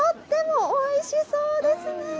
とってもおいしそうですね。